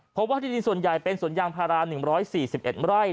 เพราะว่าที่ดินส่วนใหญ่เป็นสวนยางพารา๑๔๑ไร่